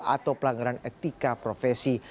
atau pelanggaran etika profesi